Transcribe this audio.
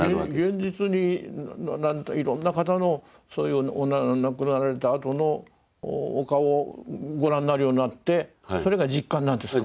現実にいろんな方のそういう亡くなられたあとのお顔をご覧になるようになってそれが実感なんですか？